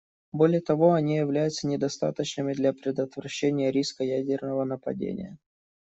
Более того, они являются недостаточными для предотвращения риска ядерного нападения.